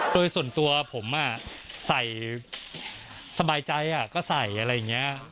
โดยส่วนตัวผมใส่สบายใจก็ใส่อะไรอย่างนี้